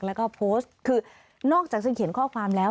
แล้วก็โพสต์คือนอกจากซึ่งเขียนข้อความแล้ว